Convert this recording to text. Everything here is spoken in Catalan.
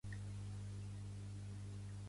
El blanc desapareix i serà un mite.